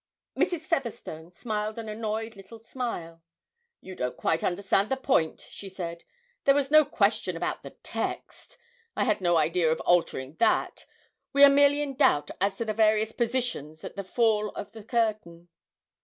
Mrs. Featherstone smiled an annoyed little smile. 'You don't quite understand the point,' she said. 'There was no question about the text I had no idea of altering that: we are merely in doubt as to the various positions at the fall of the curtain!'